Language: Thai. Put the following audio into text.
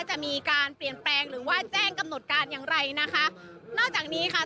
จะมีการเปลี่ยนแปลงหรือว่าแจ้งกำหนดการอย่างไรนะคะนอกจากนี้ค่ะ